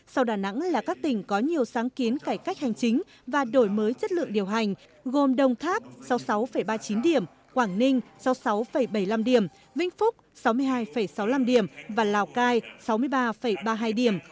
sau đà nẵng là các tỉnh có nhiều sáng kiến cải cách hành chính và đổi mới chất lượng điều hành gồm đồng tháp sáu mươi sáu ba mươi chín điểm quảng ninh sáu mươi sáu bảy mươi năm điểm vĩnh phúc sáu mươi hai sáu mươi năm điểm và lào cai sáu mươi ba ba mươi hai điểm